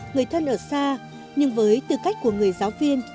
người thân ở xa nhưng với tư cách của người giáo viên